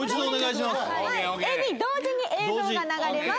ＡＢ同時に映像が流れます。